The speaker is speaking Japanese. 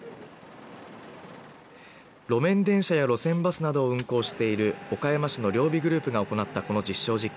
路面電車や路線バスを運行している岡山市の両備グループが行ったこの実証実験。